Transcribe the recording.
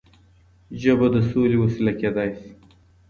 ژبه د سولې وسيله کيدای شي.